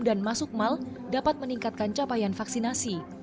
dan masuk mal dapat meningkatkan capaian vaksinasi